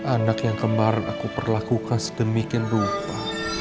anak yang kemarin aku perlakukan sedemikian rupa